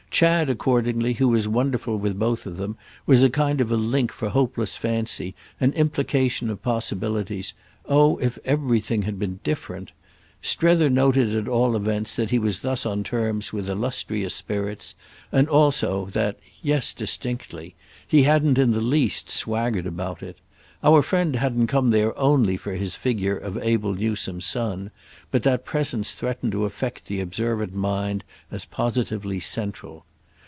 Chad accordingly, who was wonderful with both of them, was a kind of link for hopeless fancy, an implication of possibilities—oh if everything had been different! Strether noted at all events that he was thus on terms with illustrious spirits, and also that—yes, distinctly—he hadn't in the least swaggered about it. Our friend hadn't come there only for this figure of Abel Newsome's son, but that presence threatened to affect the observant mind as positively central.